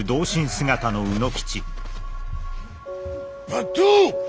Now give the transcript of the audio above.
抜刀！